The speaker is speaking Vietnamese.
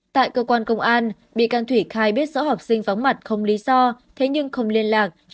tại cơ quan công an bị can thủy khai biết rõ học sinh vắng mặt không lý do thế nhưng không liên lạc